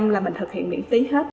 là mình thực hiện miễn tí hết